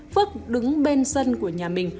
phước đứng bên sân của nhà mình